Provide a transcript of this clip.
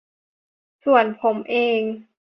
ส่วนผมเอง